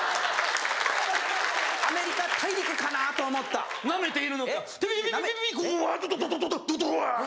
アメリカ大陸かなと思ったナメているのかピピピピゴワードドドドワー